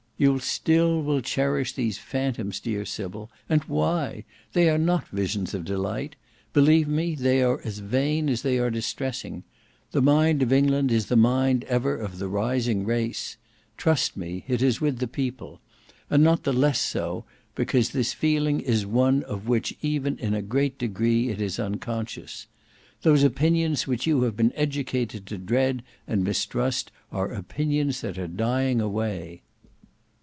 "You still will cherish these phantoms, dear Sybil! and why? They are not visions of delight. Believe me they are as vain as they are distressing. The mind of England is the mind ever of the rising race. Trust me it is with the People. And not the less so, because this feeling is one of which even in a great degree it is unconscious. Those opinions which you have been educated to dread and mistrust are opinions that are dying away.